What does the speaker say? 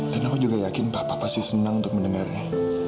dan aku juga yakin papa pasti senang untuk mendengarnya